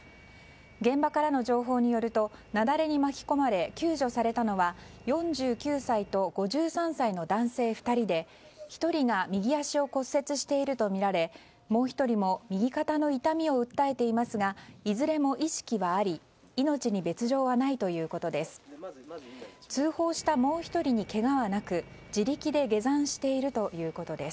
現場からの情報によると雪崩に巻き込まれ救助されたのは４９歳と５３歳の男性２人で、１人が右足を骨折しているとみられもう１人も右肩の痛みを訴えていますがいずれも意識はあり命に別条はないということです。